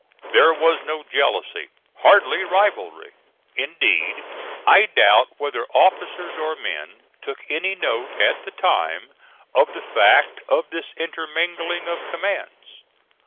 There was no jealousy hardly rivalry. Indeed, I doubt whether officers or men took any note at the time of the fact of this intermingling of commands.